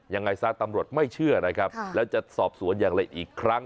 ยังไงซะตำรวจไม่เชื่อนะครับแล้วจะสอบสวนอย่างละเอียดอีกครั้ง